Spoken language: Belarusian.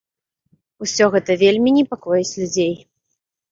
Усё гэта вельмі непакоіць людзей.